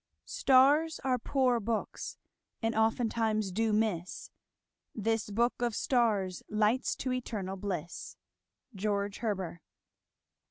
Starres are poore books and oftentimes do misse; This book of starres lights to eternall blisse. George Herber.